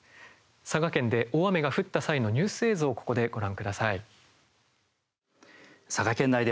佐賀県で大雨が降った際のニュース映像をここでご覧ください。